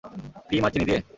Cream আর চিনি দিয়ে?